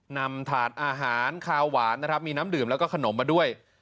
ถาดอาหารคาวหวานนะครับมีน้ำดื่มแล้วก็ขนมมาด้วย